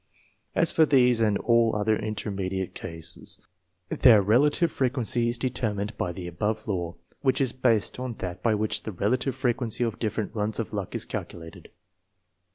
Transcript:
As for these and all other intermediate cases, their relative frequency is determined by the above law, which I.] ANTECEDENTS. 31 is based on that by which the relative frequency of diflferent " runs of luck " is calculated.